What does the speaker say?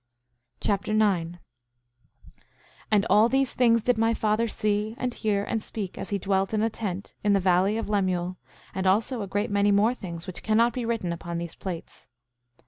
1 Nephi Chapter 9 9:1 And all these things did my father see, and hear, and speak, as he dwelt in a tent, in the valley of Lemuel, and also a great many more things, which cannot be written upon these plates.